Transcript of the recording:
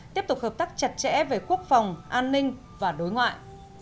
tiếp tục hợp tác chặt chẽ về quốc phòng an ninh và đối ngoại